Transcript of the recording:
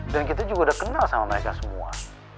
dan kita juga udah kenal sama mereka semua